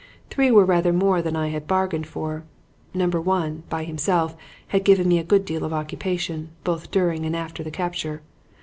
Three were rather more than I had bargained for. Number One, by himself, had given me a good deal of occupation, both during and after the capture.